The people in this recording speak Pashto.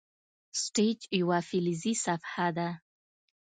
سټیج یوه فلزي صفحه ده.